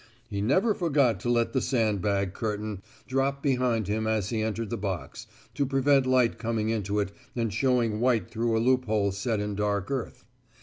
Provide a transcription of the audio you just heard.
He never forgot to let the sand bag curtain drop behind him as he entered the box, to prevent light coming into it and showing white through a loophole set in dark earth.